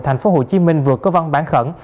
thành phố hồ chí minh vượt cơ văn bản khẩn